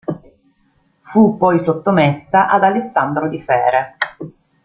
Fu poi sottomessa ad Alessandro di Fere.